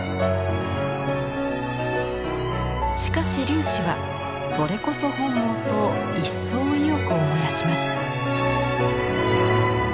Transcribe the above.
しかし龍子はそれこそ本望と一層意欲を燃やします。